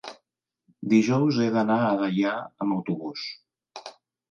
Dijous he d'anar a Deià amb autobús.